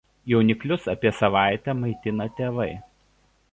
Jauniklius apie savaitę maitina tėvai.